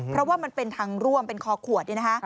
เพราะว่ามันเป็นทางร่วมเป็นคอขวดนี่นะคะ